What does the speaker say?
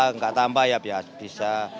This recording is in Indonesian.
enggak tambah ya bisa